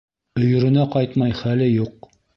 Өйөрөнә ҡайтмай хәле юҡ.